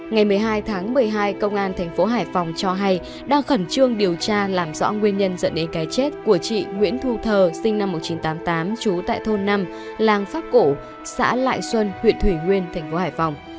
ngày một mươi hai tháng một mươi hai công an thành phố hải phòng cho hay đang khẩn trương điều tra làm rõ nguyên nhân dẫn đến cái chết của chị nguyễn thu thờ sinh năm một nghìn chín trăm tám mươi tám trú tại thôn năm làng pháp cổ xã lại xuân huyện thủy nguyên thành phố hải phòng